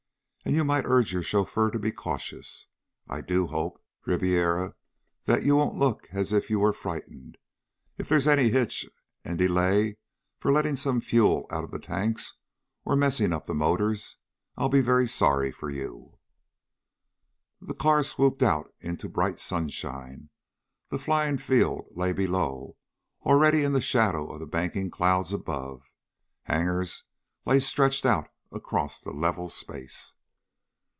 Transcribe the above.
And you might urge your chauffeur to be cautious. I do hope, Ribiera, that you won't look as if you were frightened. If there's any hitch, and delay for letting some fuel out of the tanks or messing up the motors, I'll be very sorry for you." The car swooped out into bright sunshine. The flying field lay below, already in the shadow of the banking clouds above. Hangars lay stretched out across the level space.